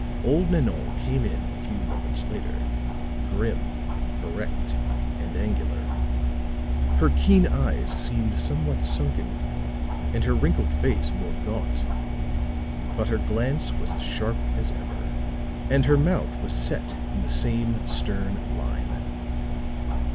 Old Nanon came in a few moments later, grim, erect and angular. Her keen eyes seemed somewhat sunken, and her wrinkled face more gaunt; but her glance was as sharp as ever, and her mouth was set in the same stern line.